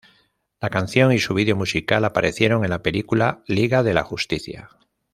La canción y su vídeo musical aparecieron en la película "Liga de la justicia".